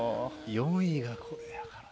４位がこれやから。